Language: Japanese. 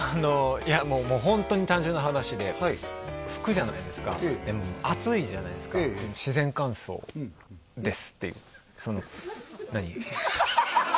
いやもうホントに単純な話で拭くじゃないですかでも暑いじゃないですか自然乾燥ですっていうその何ハハハハ！